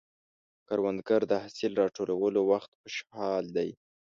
کروندګر د حاصل راټولولو وخت خوشحال دی